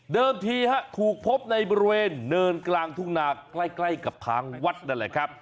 ทีถูกพบในบริเวณเนินกลางทุ่งนาใกล้กับทางวัดนั่นแหละครับ